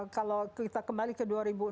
kalau kita kembali ke dua ribu enam belas